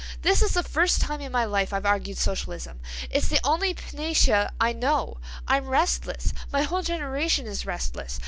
"This is the first time in my life I've argued Socialism. It's the only panacea I know. I'm restless. My whole generation is restless.